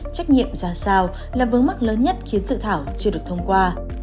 trách nhiệm ra sao là vướng mắt lớn nhất khiến sự thảo chưa được thông qua